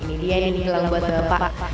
ini dia nih gelang buat bapak